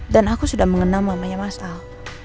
dan aku sudah mengenal mamanya masal